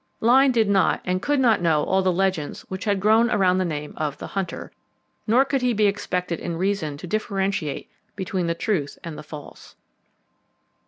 Lyne did not and could not know all the legends which had grown around the name of "The Hunter" nor could he be expected in reason to differentiate between the truth and the false.